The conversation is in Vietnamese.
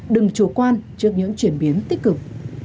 đừng chủ quan trước những chuyển biến tích cực